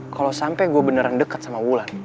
kalau sampe gue beneran deket sama ulan